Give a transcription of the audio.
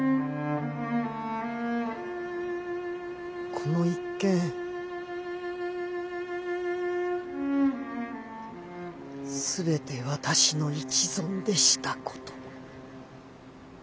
この一件すべて私の一存でしたこと。